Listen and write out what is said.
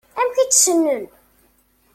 Amek i tt-ssnen?